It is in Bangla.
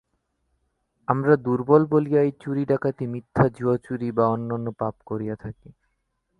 আমরা দুর্বল বলিয়াই চুরি ডাকাতি মিথ্যা জুয়াচুরি বা অন্যান্য পাপ করিয়া থাকি।